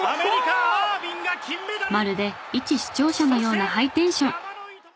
まるでいち視聴者のようなハイテンション！